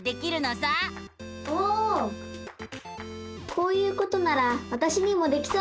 こういうことならわたしにもできそう！